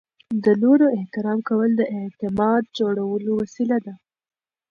د نورو احترام کول د اعتماد جوړولو وسیله ده.